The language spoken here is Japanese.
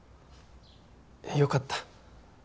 よかった。